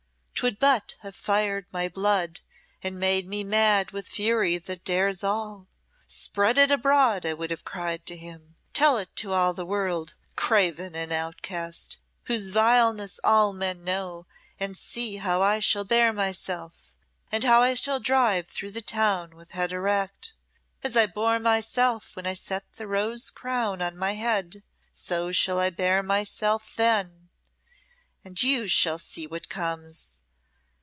'Twould but have fired my blood, and made me mad with fury that dares all. 'Spread it abroad!' I would have cried to him. 'Tell it to all the world, craven and outcast, whose vileness all men know, and see how I shall bear myself, and how I shall drive through the town with head erect. As I bore myself when I set the rose crown on my head, so shall I bear myself then. And you shall see what comes!'